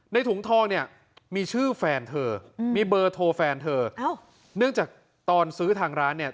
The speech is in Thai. ถุงทองเนี่ยมีชื่อแฟนเธอมีเบอร์โทรแฟนเธอเนื่องจากตอนซื้อทางร้านเนี่ย